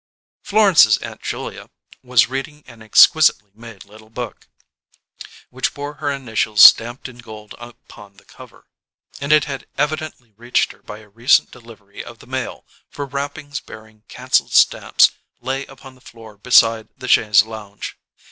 Florence's Aunt Julia was reading an exquisitely made little book, which bore her initials stamped in gold upon the cover; and it had evidently reached her by a recent delivery of the mail, for wrappings bearing cancelled stamps lay upon the floor beside the chaise longue.